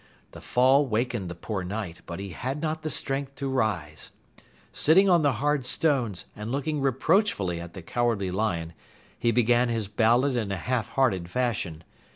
The fall wakened the poor Knight, but he had not the strength to rise. Sitting on the hard stones and looking reproachfully at the Cowardly Lion, he began his ballad in a half hearted fashion.